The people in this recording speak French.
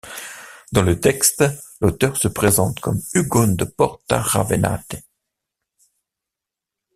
Dans le texte, l’auteur se présente comme Ugonne de Porta Ravennate.